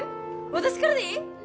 私からでいい？